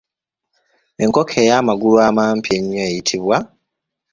Enkoko ey’amagulu amampi ennyo eyitibwa.